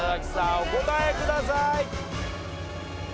お答えください。